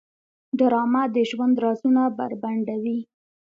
ډرامه د ژوند رازونه بربنډوي